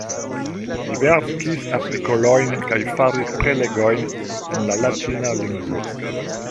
Li verkis artikolojn kaj faris prelegojn en la latina lingvo.